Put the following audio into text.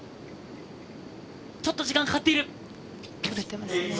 ちょっと時間がかかっている。